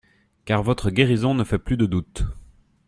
Car votre guérison ne fait plus de doute.